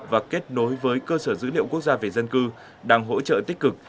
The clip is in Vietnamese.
và kết nối với cơ sở dữ liệu quốc gia về dân cư đang hỗ trợ tích cực